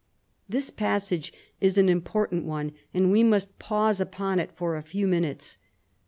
This passage is an important one, and we must pause upon it for a few minutes.